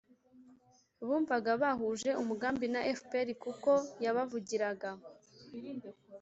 bumvaga bahuje umugambi na fpr kuko yabavugiraga.